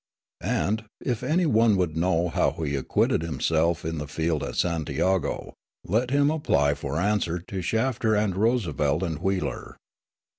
And, if any one would know how he acquitted himself in the field at Santiago, let him apply for answer to Shafter and Roosevelt and Wheeler.